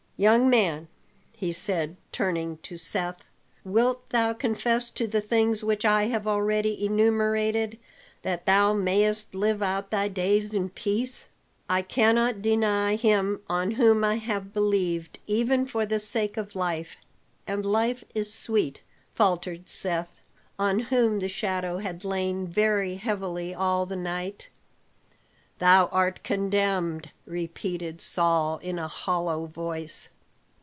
"Young man," he said, turning to Seth, "wilt thou confess to the things which I have already enumerated, that thou mayest live out thy days in peace?" "I cannot deny him on whom I have believed, even for the sake of life and life is sweet," faltered Seth, on whom the shadow had lain very heavily all the night. "Thou art condemned," repeated Saul in a hollow voice.